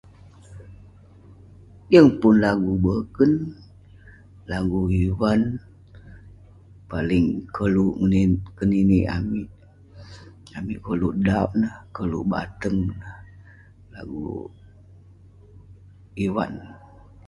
Yeng pun lagu boken lagu ivan paling koluek keninek amik, amik koluek dauk neh koluek bateng neh lagu ivan